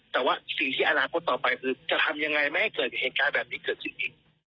แต่ว่าสิ่งที่อนาคตต่อไปคือจะทำยังไงไม่ให้เกิดเหตุการณ์แบบนี้เกิดขึ้นอีก